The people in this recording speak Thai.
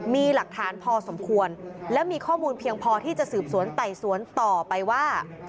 มีหลักฐานพอสมควรและมีข้อมูลเพียงพอที่จะสืบสวนไต่สวนต่อไปว่า